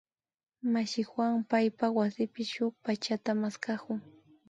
Mashi Juan paypak wasipi shuk pachata maskakun